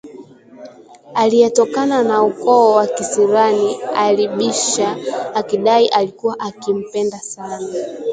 aliyetokana na ukoo wa kisirani alibisha akidai alikuwa akimpenda sana